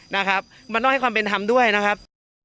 นะครับมันต้องให้ความเป็นธรรมด้วยนะครับ